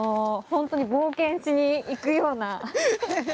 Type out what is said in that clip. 本当に冒険しに行くような。